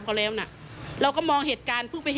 โยต้องกล้าภาษณ์อยากให้คุณผู้ชมได้ฟัง